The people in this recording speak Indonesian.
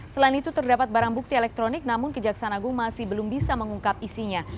selain itu terdapat barang bukti elektronik namun kejaksaan agung masih belum bisa mengungkap isinya